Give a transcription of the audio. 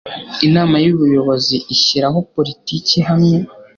inama y ubuyobozi ishyiraho politiki ihamye